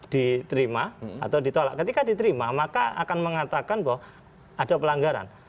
diterima atau ditolak ketika diterima maka akan mengatakan bahwa ada pelanggaran